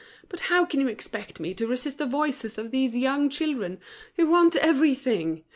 But how can you expect me to resist the voices of these young children, who want everything?